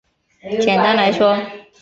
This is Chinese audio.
简单来说